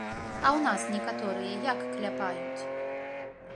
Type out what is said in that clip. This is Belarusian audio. А ў нас некаторыя як кляпаюць?